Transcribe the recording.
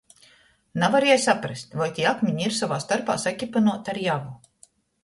Navarieju saprast, voi tī akmini ir sovā storpā sakepynuoti ar javu.